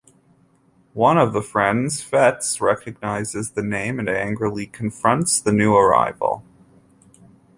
One of the friends, Fettes, recognizes the name and angrily confronts the new arrival.